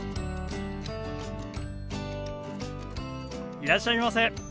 いらっしゃいませ。